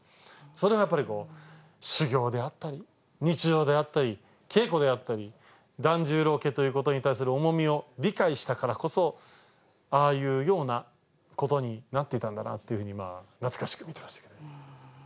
それがやっぱり修行であったり日常であったり稽古であったり團十郎家ということに対する重みを理解したからこそああいうようなことになっていたんだなっていうふうに今懐かしく見ていましたけど。